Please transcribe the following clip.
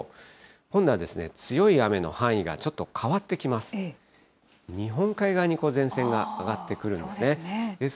今度は強い雨の範囲がちょっと変わってきます。